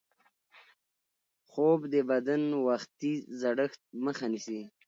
خوب د بدن وختي زړښت مخه نیسي